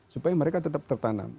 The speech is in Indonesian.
supaya mereka tetap tertanam